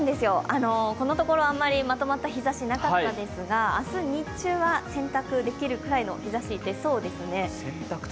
このところあんまりまとまった日ざしがなかったですが、明日日中は洗濯できるくらいの日ざしが出そうですね。